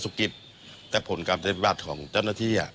แต่ผลกรรมจัดการธรรมิบาสของเจ้าหน้าที่